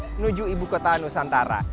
menuju ibu kota nusantara